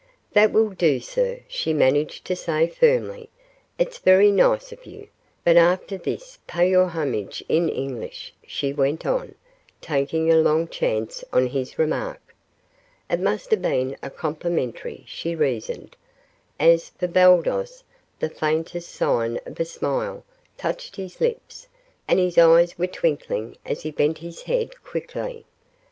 "That will do, sir," she managed to say firmly. "It's very nice of you, but after this pay your homage in English," she went on, taking a long chance on his remark. It must have been complimentary, she reasoned. As for Baldos, the faintest sign of a smile touched his lips and his eyes were twinkling as he bent his head quickly.